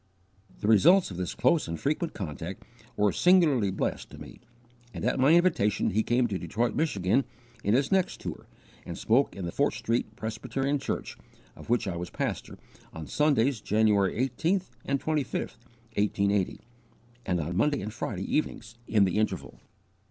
The results of this close and frequent contact were singularly blessed to me, and at my invitation he came to Detroit, Michigan, in his next tour, and spoke in the Fort Street Presbyterian Church, of which I was pastor, on Sundays, January 18 and 25, 1880, and on Monday and Friday evenings, in the interval.